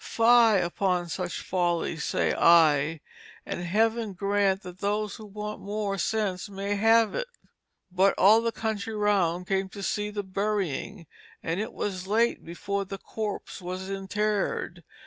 Fie upon such folly, say I, and heaven grant that those who want more sense may have it. "But all the country round came to see the burying, and it was late before the corpse was interred.